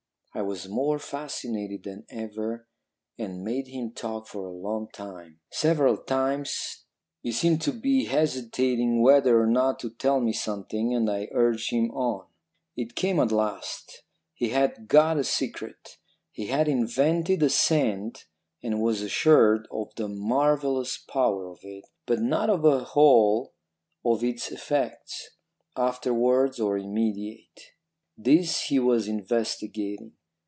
"I was more fascinated than ever, and made him talk for a long time. Several times he seemed to be hesitating whether or not to tell me something, and I urged him on. It came at last. He had got a secret. He had invented a scent and was assured of the marvellous power of it, but not of the whole of its effects, afterwards or immediate. These he was investigating.